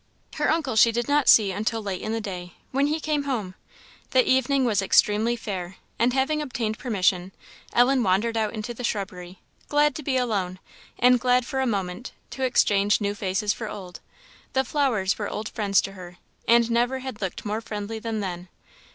Her uncle she did not see until late in the day, when he came home. The evening was extremely fair, and having obtained permission, Ellen wandered out into the shrubbery, glad to be alone, and glad, for a moment, to exchange new faces for old; the flowers were old friends to her, and never had looked more friendly than then.